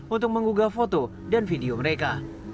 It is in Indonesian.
untuk menggugah foto dan video mereka